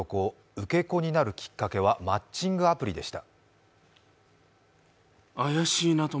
受け子になるきっかけは、マッチングアプリでした。